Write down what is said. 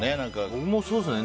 僕もそうですね。